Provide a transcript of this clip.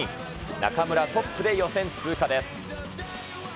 中村トップで予選通過です。